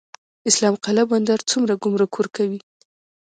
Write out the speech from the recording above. اسلام قلعه بندر څومره ګمرک ورکوي؟